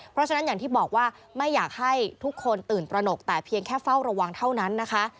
เพราะฉะนั้นอย่างที่บอกว่าไม่อยากให้ทุกคนตื่นตระหนกแต่เพียงแค่เฝ้าระวังเท่านั้นนะคะ